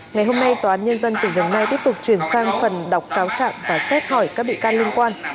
ngày hôm nay tòa án nhân dân tỉnh đồng nai tiếp tục chuyển sang phần đọc cáo trạng và xét hỏi các bị can liên quan